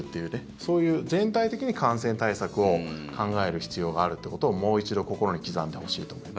そういう全体的に感染対策を考える必要があるということをもう一度心に刻んでほしいと思います。